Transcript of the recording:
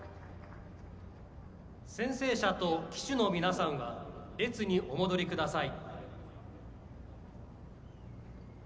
宣誓者と旗手の皆さんは列にお戻りください。